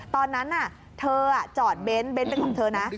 ตอนนั้นเธอจอดเบ้นเป็นของเธอนะ